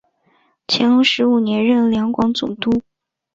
乾隆十五年任两广总督。